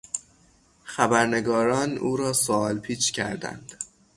خبرنگاران او را سوال پیچ کردند.